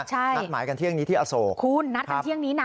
ใช่นัดหมายกันเที่ยงนี้ที่อโศกคุณนัดกันเที่ยงนี้นะ